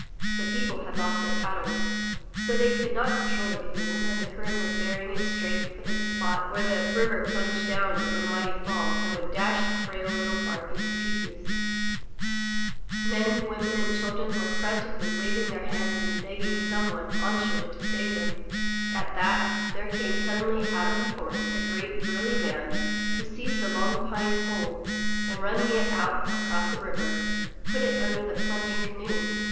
The people had lost their paddles, so they could not control the canoe and the current was bearing it straight for the spot where the river plunged down in a mighty fall and would dash the frail little bark into pieces. Men, women, i68 THROUGH FAIRY HALLS and children were frantically waving their hands and begging some one on shore to save them. At that, there came suddenly out of the forest a great, burly man who seized a long pine pole and running it out across the river, put it under the plunging canoe.